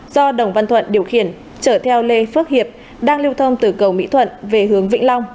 do đồng văn thuận điều khiển trở theo lê phước hiệp đang lưu thông từ cầu mỹ thuận về hướng vĩnh long